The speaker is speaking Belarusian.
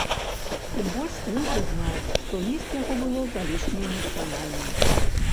Тым больш што ён прызнаў, што ліст яго было залішне эмацыянальным.